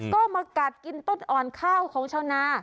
ก็มากัดกินต้นอ่อนข้าวของชาวนา